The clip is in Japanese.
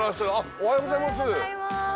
おはようございます。